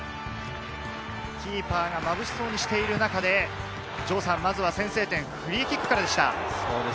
キーパーがまぶしそうにしている中で、まずは先制点、フリーキックからでした。